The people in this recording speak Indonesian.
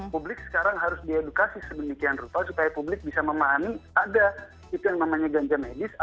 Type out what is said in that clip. publik sekarang harus diedukasi sedemikian rupa supaya publik bisa memahami ada itu yang namanya ganja medis